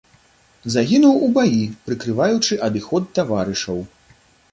Загінуў у баі, прыкрываючы адыход таварышаў.